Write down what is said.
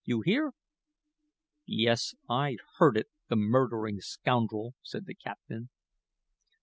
You hear?" "Yes, I heard it the murdering scoundrel," said the captain.